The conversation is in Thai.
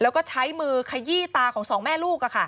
แล้วก็ใช้มือขยี้ตาของสองแม่ลูก